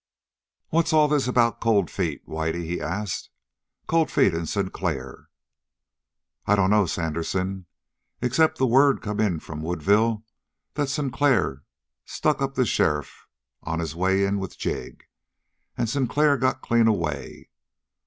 "What's all this about Cold Feet, Whitey?" he asked. "Cold Feet and Sinclair?" "I dunno, Sandersen, except that word come in from Woodville that Sinclair stuck up the sheriff on his way in with Jig, and Sinclair got clean away.